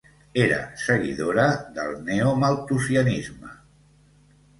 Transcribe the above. Era seguidora del neomalthusianisme.